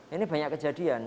ini banyak kejadian